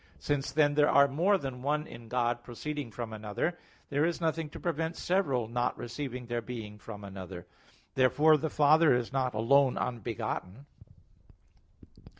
Since, then, there are more than one in God proceeding from another, there is nothing to prevent several not receiving their being from another. Therefore the Father is not alone unbegotten.